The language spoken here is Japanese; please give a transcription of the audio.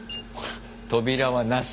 扉はなし？